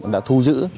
đã thu giữ